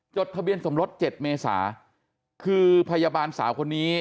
ทะเบียนสมรส๗เมษาคือพยาบาลสาวคนนี้